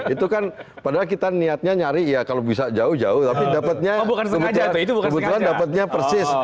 itu kan padahal kita niatnya nyari ya kalau bisa jauh jauh tapi dapatnya kebetulan dapatnya persis